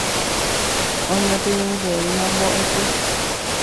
Oñepyrũjeýma mbo'epy.